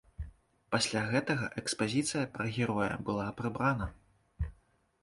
Пасля гэтага экспазіцыя пра героя была прыбрана.